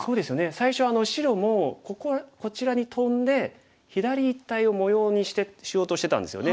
最初は白もこここちらにトンで左一帯を模様にしようとしてたんですよね。